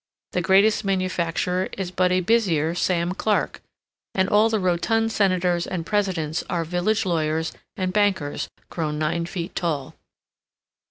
The greatest manufacturer is but a busier Sam Clark, and all the rotund senators and presidents are village lawyers and bankers grown nine feet tall.